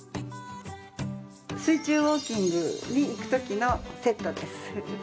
水中ウォーキングに行く時のセットです。